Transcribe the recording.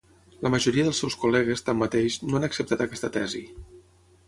La majoria dels seus col·legues, tanmateix, no han acceptat aquesta tesi.